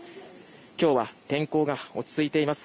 今日は天候が落ち着いています。